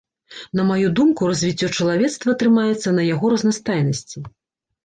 На маю думку, развіццё чалавецтва трымаецца на яго разнастайнасці.